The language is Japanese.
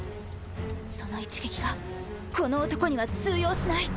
その一撃がこの男には通用しない。